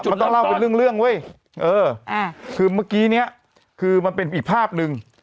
มันต้องเล่าเป็นเรื่องเรื่องเว้ยเออคือเมื่อกี้เนี้ยคือมันเป็นอีกภาพหนึ่ง